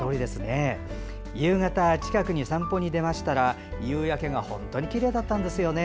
夕方、近くに散歩に出ましたら夕焼けが本当にきれいだったんです。